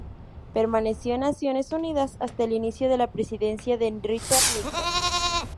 Permaneció en Naciones Unidas hasta el inicio de la presidencia de Richard Nixon.